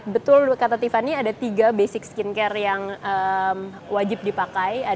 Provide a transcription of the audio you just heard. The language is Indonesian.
betul kata tiffany ada tiga basic skincare yang wajib dipakai